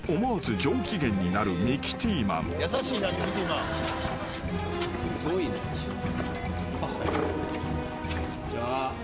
こんにちは。